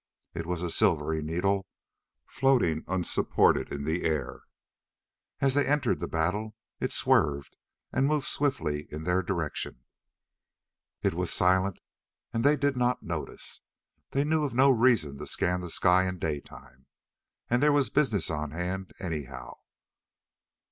It was a silvery needle, floating unsupported in the air. As they entered the battle, it swerved and moved swiftly in their direction. It was silent, and they did not notice. They knew of no reason to scan the sky in daytime. And there was business on hand, anyhow.